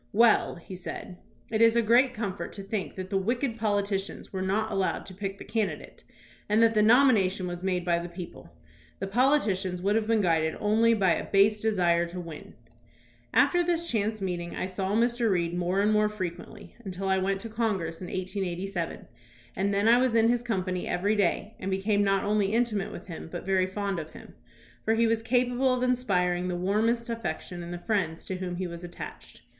"Well," he said, "it is a great comfort to think that the wicked politicians were not allowed to pick the candidate and that the nomination was made by the people. The politicians would have been guided only by a base desire to win." After this chance meeting I saw Mr. Reed more and more frequently until I went to Congress in 1887, and then I was in his company every day and became not only intimate with him, but very fond of him; for he was capable of inspiring the warmest affection in the friends to whom he was attached.